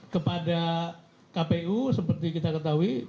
kepada kpu seperti kita ketahui